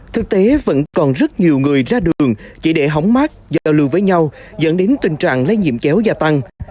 thực tế vẫn còn rất nhiều người ra đường chỉ để hóng mát giao lưu với nhau dẫn đến tình trạng lây nhiễm chéo gia tăng